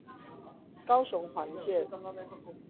高雄環線